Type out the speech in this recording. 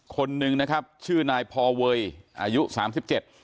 คนหนึ่งนะครับชื่อนายพอเวยอายุสามสิบเจ็ด